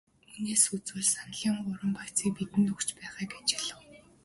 Үүнээс үзвэл саналын гурван багцыг бидэнд өгч байгааг ажиглав.